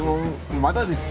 まだですか？